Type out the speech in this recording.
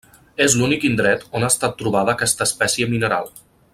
És l'únic indret on ha estat trobada aquesta espècie mineral.